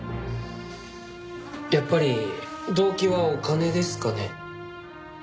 やっぱり動機はお金ですかね？